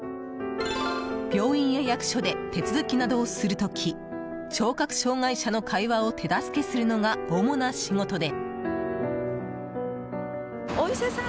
病院や役所で手続きなどをする時聴覚障害者の会話を手助けするのが主な仕事で。